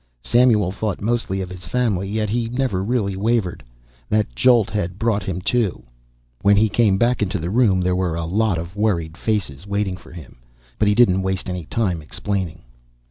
Samuel thought mostly of his family, yet he never really wavered. That jolt had brought him to. When he came back in the room there were a log of worried faces waiting for him, but he didn't waste any time explaining.